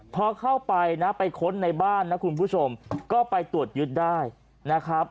พอเข้าไปนะไปค้นในบ้านนะคุณผู้ชมก็ไปตรวจยึดได้นะครับ